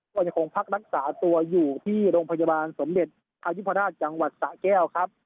ก็ยังคงพักรักษาตัวอยู่ที่โรงพยาบาลสมเด็จอายุพราชจังหวัดสะแก้วครับ